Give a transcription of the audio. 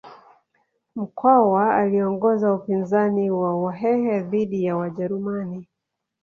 Mkwawa aliongoza upinzani wa wahehe dhidi ya wajerumani